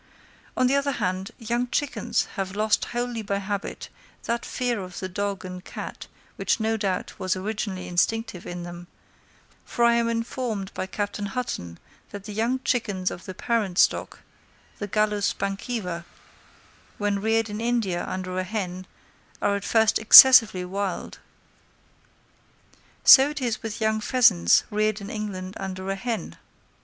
On the other hand, young chickens have lost wholly by habit, that fear of the dog and cat which no doubt was originally instinctive in them, for I am informed by Captain Hutton that the young chickens of the parent stock, the Gallus bankiva, when reared in India under a hen, are at first excessively wild. So it is with young pheasants reared in England under a hen.